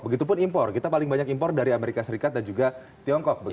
begitupun impor kita paling banyak impor dari amerika serikat dan juga tiongkok